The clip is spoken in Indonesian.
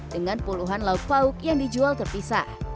dengan puluhan lauk pauk yang dijual terpisah